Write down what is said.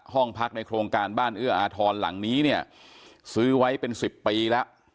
ห้องพักในโครงการบ้านเอื้ออาทรหลังนี้เนี่ยซื้อไว้เป็น๑๐ปีแล้ว